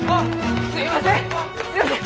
すみません！